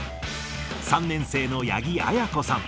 ３年生の八木絢子さん。